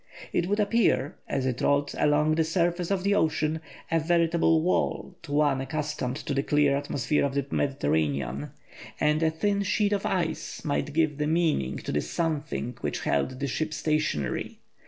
It would appear, as it rolled along the surface of the ocean, a veritable wall to one accustomed to the clear atmosphere of the Mediterranean, and a thin sheet of ice might give the meaning to the "something" which held the ship stationary.